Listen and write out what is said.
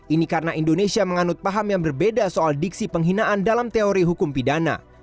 ini karena indonesia menganut paham yang berbeda soal diksi penghinaan dalam teori hukum pidana